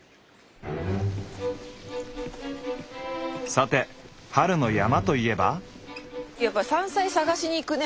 さて春の山といえば。